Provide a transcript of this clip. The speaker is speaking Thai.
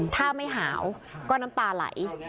ถ้าไม่หาวก็น้ำตาไหล